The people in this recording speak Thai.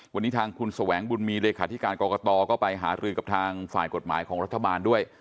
วันนี้ทางคุณแสวงบุญมีเลขาธิการกรกตก็ไปหารือกับทางฝ่ายกฎหมายของรัฐบาลด้วย